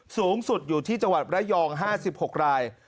สูงสุดอยู่ที่จังหวัดระยอง๕๖ราย